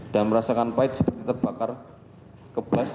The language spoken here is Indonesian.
dan merasakan pait seperti terbakar ke bas